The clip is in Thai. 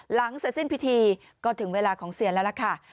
หลังเสร็จสิ้นพิธีก็ถึงเวลาของเซียนแล้วล่ะค่ะ